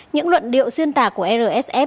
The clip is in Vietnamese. những luận điệu xuyên tả của rsf